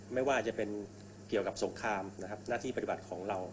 ไม่ว่าจะเป็นเกี่ยวกับสงครามนะครับหน้าที่ปฏิบัติของเรา